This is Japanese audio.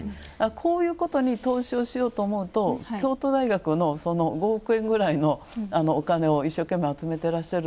こういうことに投資をしようと思うと、京都大学のその５億円くらいのお金を一生懸命集めてらっしゃる。